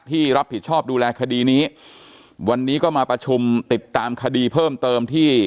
ที่รับผิดชอบดูแลคดีนี้วันนี้ก็มาประชุมติดตามคดีเพิ่มเติมที่